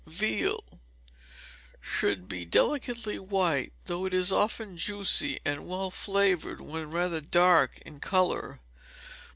Veal should be delicately white, though it is often juicy and well flavoured when rather dark in colour.